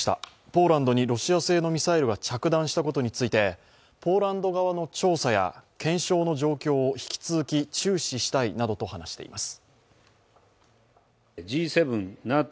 ポーランドにロシア製のミサイルが着弾したことについてポーランド側の調査や検証の状況を引き続き注視したいなどと話しています。